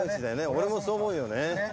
俺もそう思うよねうん。